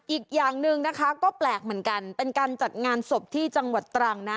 อีกอย่างหนึ่งนะคะก็แปลกเหมือนกันเป็นการจัดงานศพที่จังหวัดตรังนะ